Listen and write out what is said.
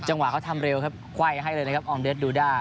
จังหวะเขาทำเร็วครับไขว้ให้เลยนะครับอองเดชดูด้า